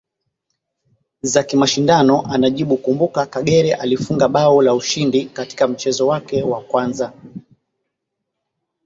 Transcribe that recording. za kimashindano anajibuKumbuka Kagere alifunga bao la ushindi katika mchezo wake wa kwanza